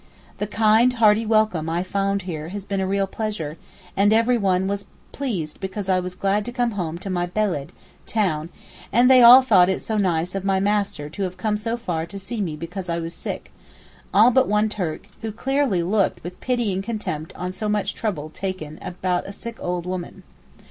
The kind hearty welcome I found here has been a real pleasure, and every one was pleased because I was glad to come home to my beled (town), and they all thought it so nice of 'my master' to have come so far to see me because I was sick—all but one Turk, who clearly looked with pitying contempt on so much trouble taken about a sick old woman.